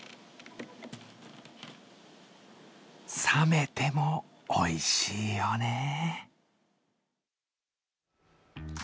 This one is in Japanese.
冷めてもおいしいよね。